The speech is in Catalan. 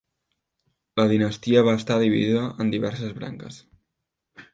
La dinastia va estar dividida en diverses branques.